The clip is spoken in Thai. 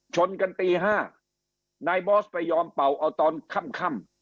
ชนกันตี๕นายบอสไปยอมเป่าเอาตอนค่ำ